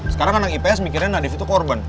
sekarang anak ipa ips mikirnya nadif itu korban